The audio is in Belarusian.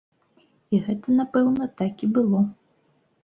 І гэта, напэўна, так і было.